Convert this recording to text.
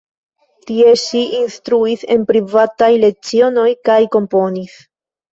Tie ŝi instruis en privataj lecionoj kaj komponis.